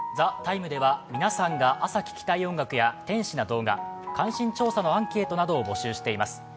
「ＴＨＥＴＩＭＥ，」では皆さんが朝聴きたい音楽や天使な動画、関心調査のアンケートなどを募集しています。